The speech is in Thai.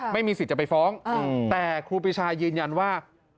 ไม่มีสิทธิ์จะไปฟ้องแต่ครูปีชายืนยันว่า